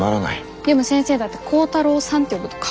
でも先生だって光太朗さんって呼ぶと顔